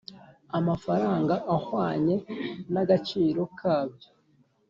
amafaranga ahwanye na gaciro kabyo